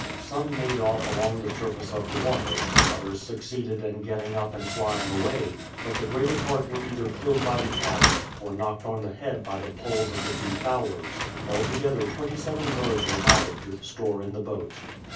Some made off along the surface of the water, others succeeded in getting up and flying away, but the greater part were either killed by the cats, or knocked on the head by the poles of the two fowlers. Altogether twenty seven birds were added to the store in the boat.